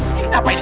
ini kenapa ini